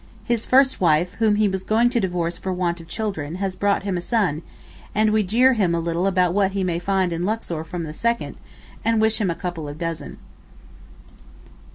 His first wife, whom he was going to divorce for want of children, has brought him a son, and we jeer him a little about what he may find in Luxor from the second, and wish him a couple of dozen.